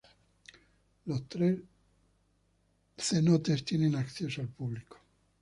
Los tres cenotes tienen acceso al publico.